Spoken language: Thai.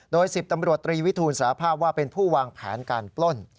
โดย๑๐ตำรวจตรีวิทูลสารภาพว่าเป็นผู้วางแผนการปล้น